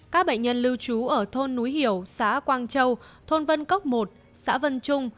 các bệnh nhân lưu trú ở thôn núi hiểu xã quang châu thôn vân cốc một xã vân trung